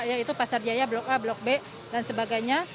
yaitu pasar jaya blok a blok b dan sebagainya